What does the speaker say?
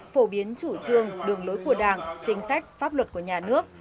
phổ biến chủ trương đường lối của đảng chính sách pháp luật của nhà nước